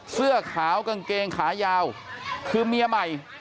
เสื้อขาวกางเกงขายาวคือเมียใหม่